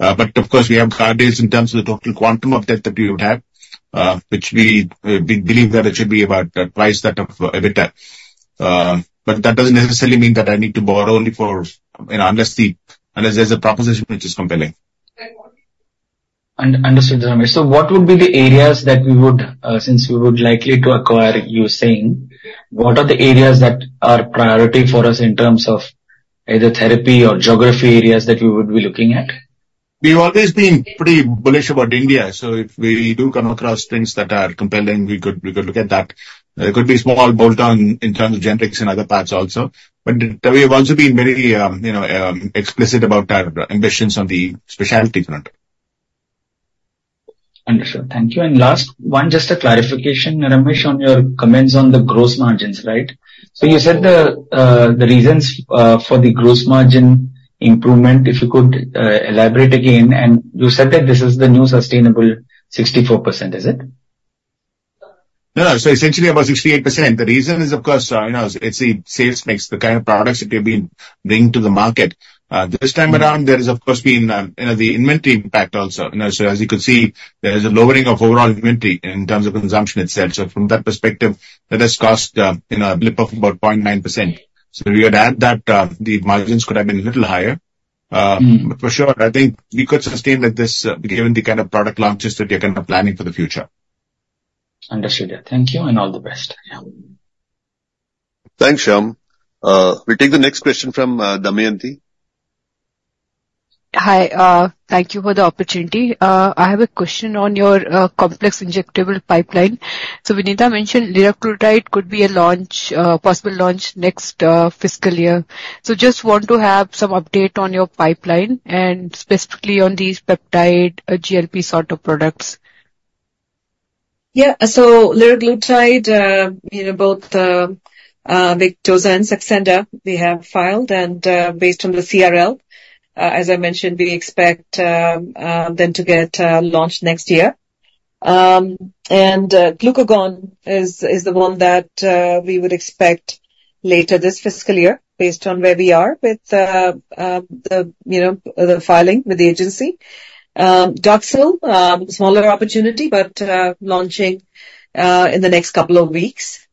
Of course, we have guardrails in terms of the total quantum of debt that we would have, which we believe that it should be about twice that of EBITDA. That doesn't necessarily mean that I need to borrow only for unless there's a proposition which is compelling. Understood, Sir Ramesh. So what would be the areas that we would, since we would likely to acquire, you're saying, what are the areas that are priority for us in terms of either therapy or geography areas that we would be looking at? We've always been pretty bullish about India. So if we do come across things that are compelling, we could look at that. It could be small bolt-on in terms of generics and other parts also. But we have also been very explicit about our ambitions on the specialty front. Understood. Thank you. And last one, just a clarification, Ramesh, on your comments on the gross margins, right? So you said the reasons for the gross margin improvement, if you could elaborate again. And you said that this is the new sustainable 64%, is it? No. So essentially about 68%. The reason is, of course, it's the sales mix, the kind of products that we have been bringing to the market. This time around, there is, of course, been the inventory impact also. So as you could see, there is a lowering of overall inventory in terms of consumption itself. So from that perspective, that has cost a blip of about 0.9%. So if you add that, the margins could have been a little higher. But for sure, I think we could sustain with this given the kind of product launches that we are kind of planning for the future. Understood. Thank you and all the best. Yeah. Thanks, Shyam. We'll take the next question from Damayanti. Hi. Thank you for the opportunity. I have a question on your complex injectable pipeline. So Vinita mentioned liraglutide could be a possible launch next fiscal year. So just want to have some update on your pipeline and specifically on these peptide GLP sort of products. Yeah. So liraglutide, both Victoza and Saxenda, we have filed. And based on the CRL, as I mentioned, we expect them to get launched next year. And glucagon is the one that we would expect later this fiscal year based on where we are with the filing with the agency. Doxil, smaller opportunity, but launching in the next couple of weeks.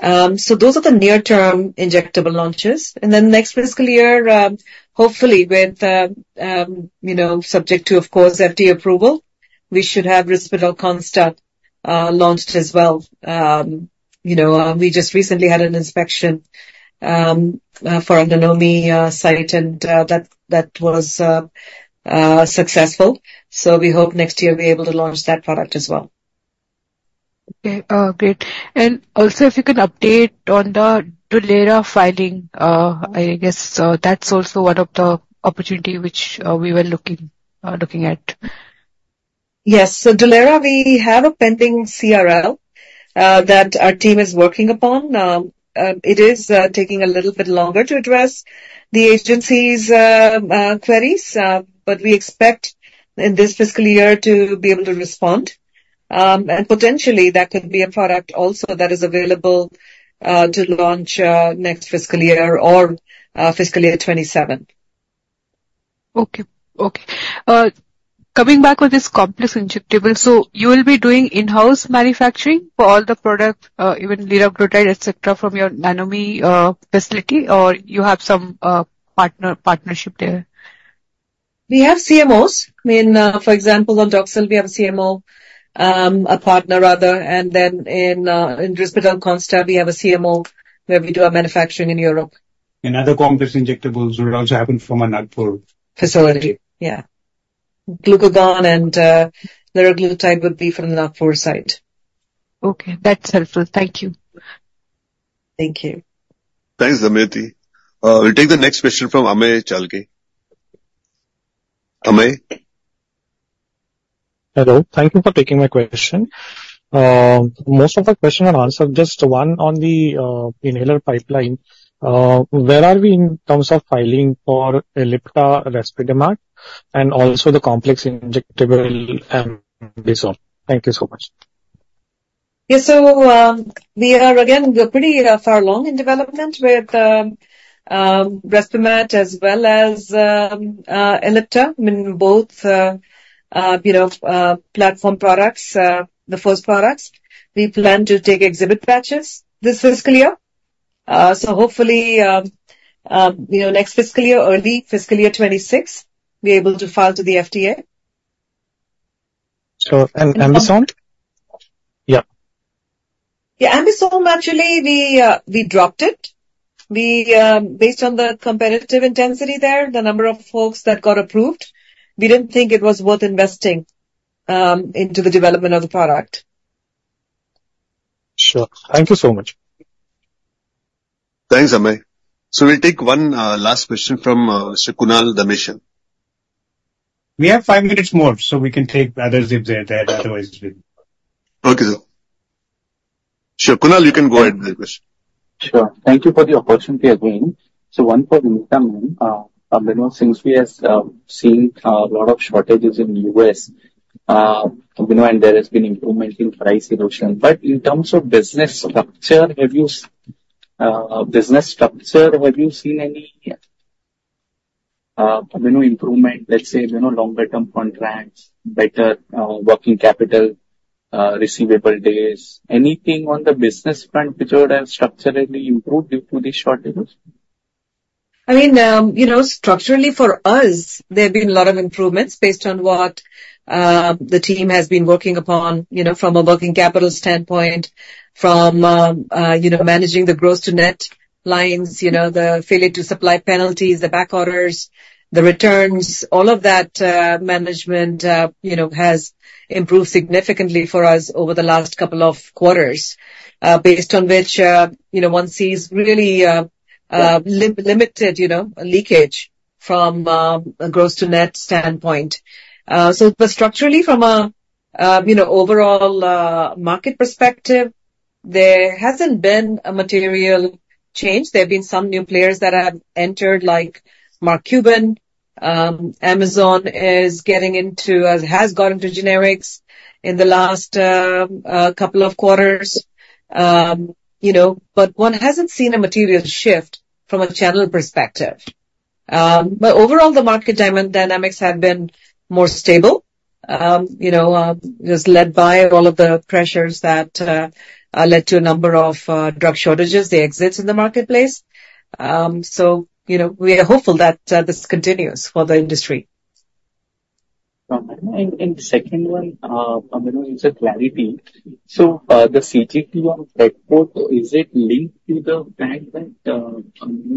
So those are the near-term injectable launches. And then next fiscal year, hopefully, subject to, of course, FDA approval, we should have Risperdal Consta launched as well. We just recently had an inspection for a Nagpur site, and that was successful. So we hope next year we're able to launch that product as well. Okay. Great. And also, if you can update on the Dulera filing, I guess that's also one of the opportunities which we were looking at. Yes. So Dulera, we have a pending CRL that our team is working upon. It is taking a little bit longer to address the agency's queries, but we expect in this fiscal year to be able to respond. And potentially, that could be a product also that is available to launch next fiscal year or fiscal year 2027. Okay. Okay. Coming back with this complex injectable, so you will be doing in-house manufacturing for all the product, even Liraglutide, etc., from your Nonomi facility, or you have some partnership there? We have CMOs. I mean, for example, on Doxil, we have a CMO, a partner rather. And then in Risperdal Consta, we have a CMO where we do our manufacturing in Europe. Other complex injectables would also happen from a Nagpur facility. Facility. Yeah. Glucagon and liraglutide would be from the Nagpur site. Okay. That's helpful. Thank you. Thank you. Thanks, Amirdi. We'll take the next question from Amay Chalke. Amay? Hello. Thank you for taking my question. Most of the questions are answered. Just one on the inhaler pipeline. Where are we in terms of filing for Ellipta Respimat and also the complex injectable AmBisome? Thank you so much. Yeah. So we are, again, pretty far along in development with Respimat as well as Ellipta. I mean, both platform products, the first products. We plan to take exhibit batches this fiscal year. So hopefully, next fiscal year, early fiscal year 2026, we're able to file to the FDA. Sure. And AmBisome? Yeah. Yeah. AmBisome, actually, we dropped it. Based on the competitive intensity there, the number of folks that got approved, we didn't think it was worth investing into the development of the product. Sure. Thank you so much. Thanks, Amay. So we'll take one last question from Mr. Kunal Dhamesha. We have five minutes more, so we can take others if they're there. Otherwise, we'll. Okay, sir. Sure. Kunal, you can go ahead with the question. Sure. Thank you for the opportunity again. So one for Vinita ma'am. Since we have seen a lot of shortages in the U.S., and there has been improvement in price erosion. But in terms of business structure, have you seen any improvement, let's say, longer-term contracts, better working capital, receivable days? Anything on the business front which would have structurally improved due to these shortages? I mean, structurally for us, there have been a lot of improvements based on what the team has been working upon from a working capital standpoint, from managing the gross-to-net lines, the failure-to-supply penalties, the back orders, the returns. All of that management has improved significantly for us over the last couple of quarters, based on which one sees really limited leakage from a gross-to-net standpoint. So structurally, from an overall market perspective, there hasn't been a material change. There have been some new players that have entered, like Mark Cuban. Amazon has gone into generics in the last couple of quarters. But one hasn't seen a material shift from a channel perspective. But overall, the market dynamics have been more stable, just led by all of the pressures that led to a number of drug shortages, the exits in the marketplace. We are hopeful that this continues for the industry. The second one, it's a clarity. So the CGT on Albuterol, is it linked to the fact that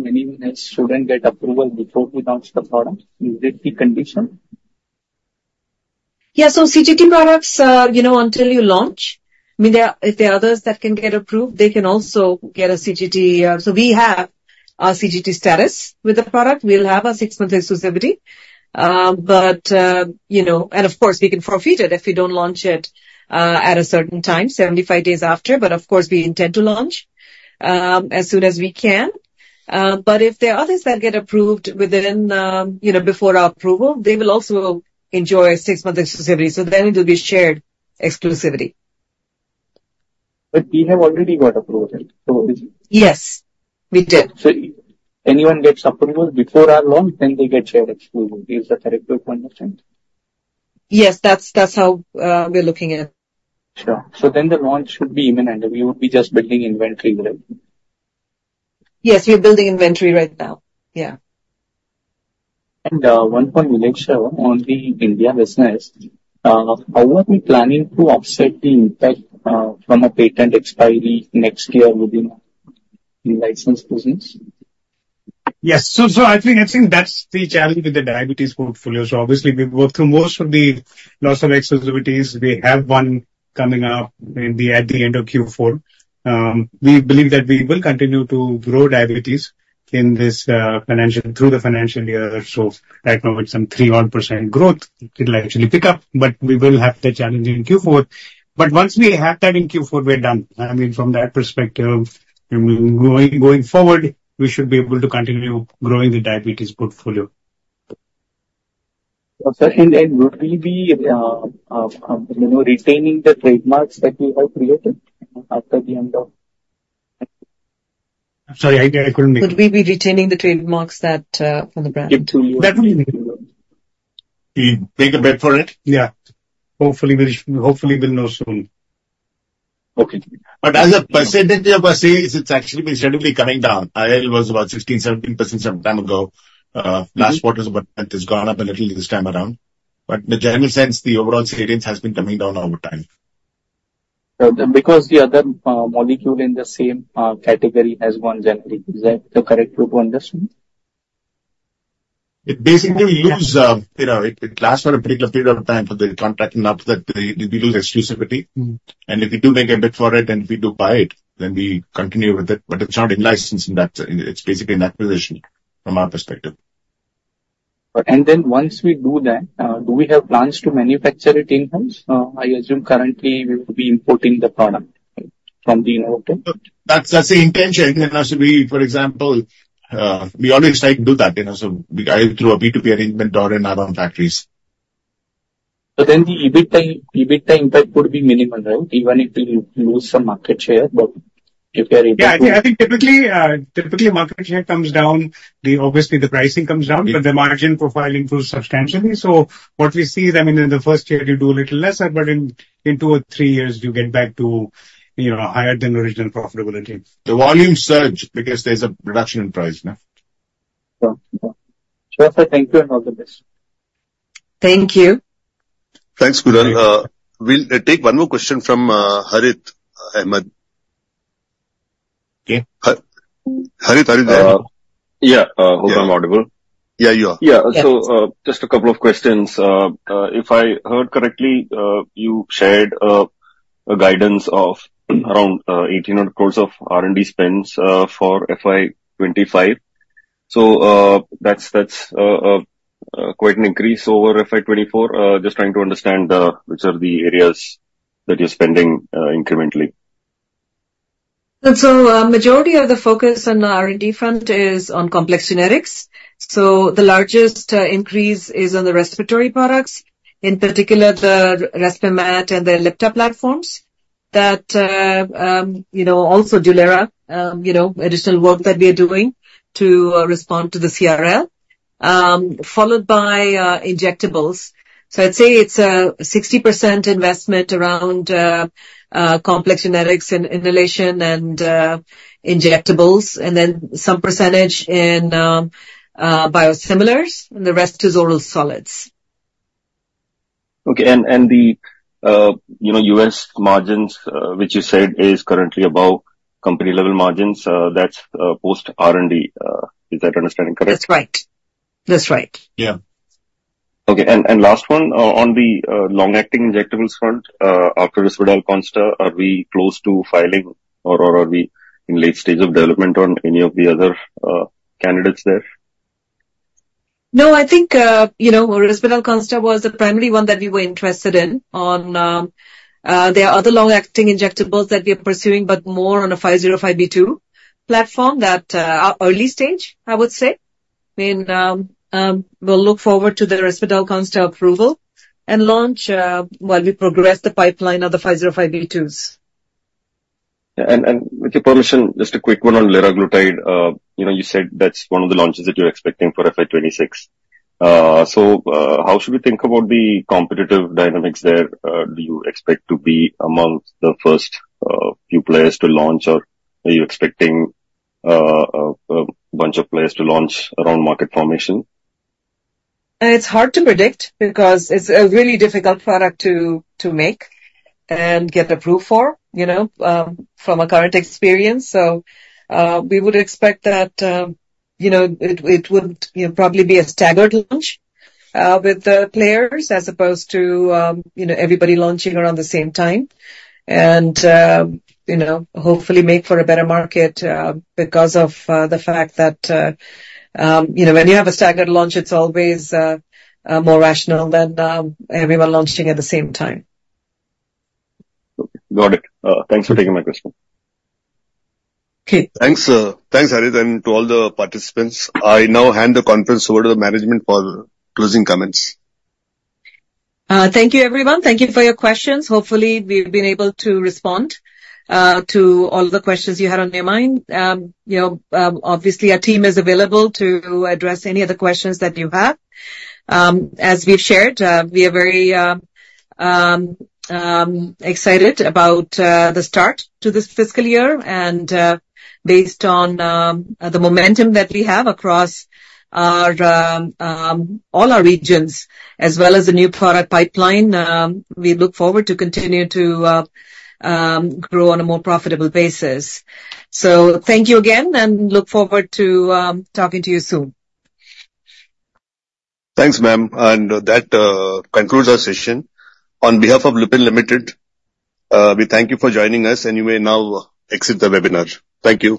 anyone else shouldn't get approval before we launch the product? Is it the condition? Yeah. So CGT products, until you launch, I mean, if there are others that can get approved, they can also get a CGT. So we have CGT status with the product. We'll have a six-month exclusivity. And of course, we can forfeit it if we don't launch it at a certain time, 75 days after. But of course, we intend to launch as soon as we can. But if there are others that get approved before our approval, they will also enjoy a six-month exclusivity. So then it will be shared exclusivity. We have already got approval. Is it? Yes. We did. Anyone gets approval before our launch, then they get shared exclusivity. Is that correct to your point of view? Yes. That's how we're looking at it. Sure. So then the launch should be imminent. We would be just building inventory, right? Yes. We're building inventory right now. Yeah. One point we'll make sure on the India business. How are we planning to offset the impact from a patent expiry next year within the license business? Yes. So I think that's the challenge with the diabetes portfolio. So obviously, we've worked through most of the loss of exclusivities. We have one coming up at the end of Q4. We believe that we will continue to grow diabetes through the financial year. So right now, it's some 3%-odd growth. It'll actually pick up, but we will have the challenge in Q4. But once we have that in Q4, we're done. I mean, from that perspective, going forward, we should be able to continue growing the diabetes portfolio. Would we be retaining the trademarks that we have created after the end of? I'm sorry. I couldn't- Would we be retaining the trademarks from the brand? That would be. You'd make a bet for it? Yeah. Hopefully, we'll know soon. Okay. But as a percentage of our sales, it's actually been steadily coming down. IRL was about 16%-17% some time ago. Last quarter's burn rate has gone up a little this time around. But in a general sense, the overall savings has been coming down over time. Because the other molecule in the same category has gone generic. Is that the correct way to understand? It basically loses, it lasts for a particular period of time for the contract enough that we lose exclusivity. And if we do make a bid for it and we do buy it, then we continue with it. But it's not in licensing. It's basically an acquisition from our perspective. Once we do that, do we have plans to manufacture it in-house? I assume currently we will be importing the product from the innovator. That's the intention. For example, we always try to do that. So we go through a B2B arrangement or in our own factories. So then the EBITDA impact would be minimal, right? Even if we lose some market share, but if we are able to— Yeah. I think typically market share comes down. Obviously, the pricing comes down, but the margin profile improves substantially. So what we see is, I mean, in the first year, you do a little lesser, but in 2 or 3 years, you get back to higher than original profitability. The volume surge because there's a reduction in price. Sure. Thank you and all the best. Thank you. Thanks, Kunal. We'll take one more question from Harith Ahamed. Okay. Harith, are you there? Yeah. Hope I'm audible. Yeah, you are. Yeah. So just a couple of questions. If I heard correctly, you shared a guidance of around 1,800 crores of R&D spends for FY25. So that's quite an increase over FY24. Just trying to understand which are the areas that you're spending incrementally. Majority of the focus on the R&D front is on complex generics. The largest increase is on the respiratory products, in particular the Respimat and the Ellipta platforms. That, also Dulera, additional work that we are doing to respond to the CRL, followed by injectables. So I'd say it's a 60% investment around complex generics and inhalation and injectables, and then some percentage in biosimilars, and the rest is oral solids. Okay. And the U.S. margins, which you said is currently above company-level margins, that's post-R&D. Is that understanding correct? That's right. That's right. Yeah. Okay. And last one, on the long-acting injectables front, after Risperdal Consta, are we close to filing, or are we in late stage of development on any of the other candidates there? No. I think Risperdal Consta was the primary one that we were interested in. There are other long-acting injectables that we are pursuing, but more on a 505(b)(2) platform that are early stage, I would say. I mean, we'll look forward to the Risperdal Consta approval and launch while we progress the pipeline of the 505(b)(2)s. With your permission, just a quick one on Liraglutide. You said that's one of the launches that you're expecting for FY26. How should we think about the competitive dynamics there? Do you expect to be among the first few players to launch, or are you expecting a bunch of players to launch around market formation? It's hard to predict because it's a really difficult product to make and get approved for from our current experience. We would expect that it would probably be a staggered launch with the players as opposed to everybody launching around the same time. Hopefully, make for a better market because of the fact that when you have a staggered launch, it's always more rational than everyone launching at the same time. Got it. Thanks for taking my question. Okay. Thanks, Harith, and to all the participants. I now hand the conference over to the management for closing comments. Thank you, everyone. Thank you for your questions. Hopefully, we've been able to respond to all the questions you had on your mind. Obviously, our team is available to address any of the questions that you have. As we've shared, we are very excited about the start to this fiscal year. Based on the momentum that we have across all our regions, as well as the new product pipeline, we look forward to continue to grow on a more profitable basis. Thank you again, and look forward to talking to you soon. Thanks, ma'am. And that concludes our session. On behalf of Lupin Limited, we thank you for joining us, and you may now exit the webinar. Thank you.